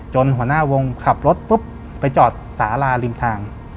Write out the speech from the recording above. หัวหน้าวงขับรถปุ๊บไปจอดสาราริมทาง